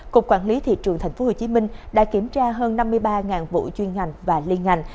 cục quản lý thị trường thành phố hồ chí minh đã kiểm tra hơn năm mươi ba vụ chuyên ngành và liên ngành